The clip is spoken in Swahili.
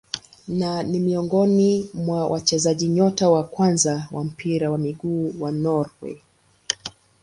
Na ni miongoni mwa wachezaji nyota wa kwanza wa mpira wa miguu wa Norway.